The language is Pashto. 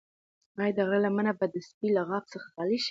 ایا د غره لمنه به د سپي له غپا څخه خالي شي؟